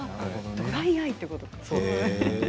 ドライアイということですね。